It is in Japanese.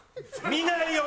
見ないよ？